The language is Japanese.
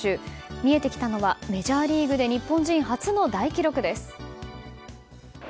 見えてきたのはメジャーリーグで日本人初の大記録です。